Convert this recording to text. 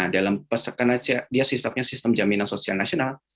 dalam sistem jaminan sosial nasional